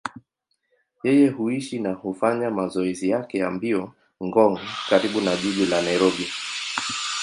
Yeye huishi na hufanya mazoezi yake ya mbio Ngong, karibu na jiji la Nairobi.